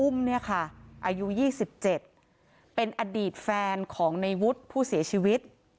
เนี่ยค่ะอายุ๒๗เป็นอดีตแฟนของในวุฒิผู้เสียชีวิต